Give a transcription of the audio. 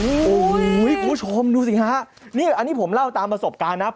โอ้โหคุณผู้ชมดูสิฮะนี่อันนี้ผมเล่าตามประสบการณ์นะ